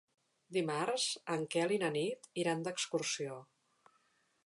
Dimarts en Quel i na Nit iran d'excursió.